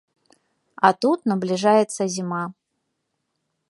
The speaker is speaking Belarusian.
А тут набліжаецца зіма.